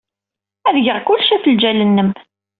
Ad geɣ kullec ɣef ljal-nnem.